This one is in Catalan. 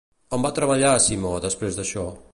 On va treballar Simó després d'això?